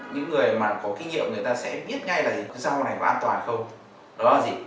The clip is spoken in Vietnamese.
những người mà có kinh nghiệm người ta sẽ biết ngay là những cái rau này có an toàn không đó là gì